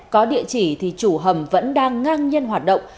có địa chỉ thì chủ hầm vẫn đang ngang nhân hoạt động